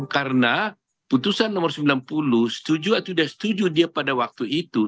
karena putusan nomor sembilan puluh setuju atau tidak setuju dia pada waktu itu